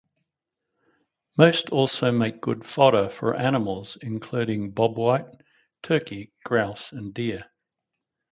Most also make good fodder for animals including bobwhite, turkey, grouse and deer.